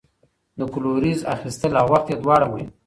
د کلوریز اخیستل او وخت یې دواړه مهم دي.